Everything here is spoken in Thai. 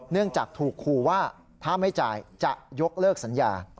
จากถูกขู่ว่าถ้าไม่จ่ายจะยกเลิกสัญญา